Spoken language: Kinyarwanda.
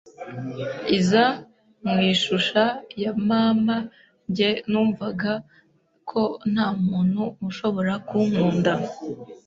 iza mu ishusha ya mama, njye numvaga ko nta muntu ushobora kunkunda